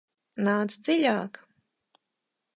Nāc dziļāk!